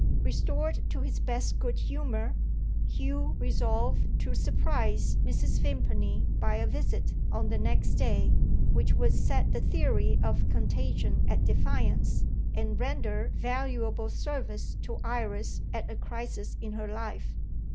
Restored to his best good humour, Hugh resolved to surprise Mrs. Vimpany by a visit, on the next day, which would set the theory of contagion at defiance, and render valuable service to Iris at a crisis in her life.